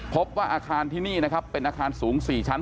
พบว่าอาคารที่นี่นะครับเป็นอาคารสูง๔ชั้น